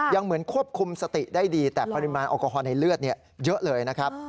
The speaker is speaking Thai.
ยังเหมือนควบคุมสติได้ดีแต่ปริมาณแอลกอฮอลในเลือดเยอะเลยนะครับ